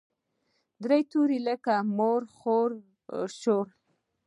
درې توري لکه مور، خور او شور.